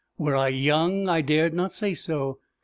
Were I young I dared not say so.